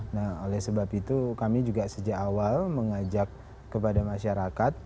nah oleh sebab itu kami juga sejak awal mengajak kepada masyarakat